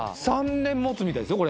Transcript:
３年もつみたいですよ